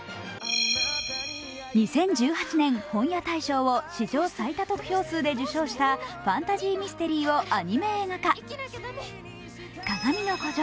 ２０１８年、本屋大賞を史上最多得票数で受賞したファンタジーミステリーをアニメ映画化「かがみの孤城」